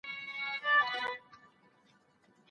ځان ته پام وکړئ او خپل ارزښت وپېژنئ.